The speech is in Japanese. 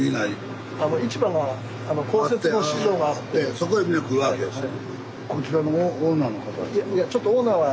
そこへみんな来るわけですね。